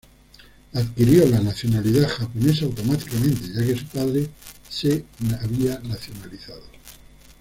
Adquirió la nacionalidad japonesa automáticamente ya que su padre se nacionalizó.